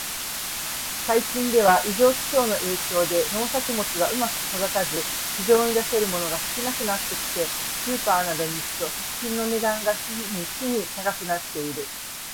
最近では、異常気象の影響で農作物がうまく育たず、市場に出せるものが少なくなってきて、スーパーなどに行くと食品の値段が日に日に高くなっている。